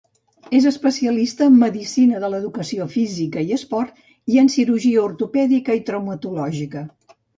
És especialista en Medicina de l'Educació Física i l'Esport i en Cirurgia Ortopèdica i Traumatologia.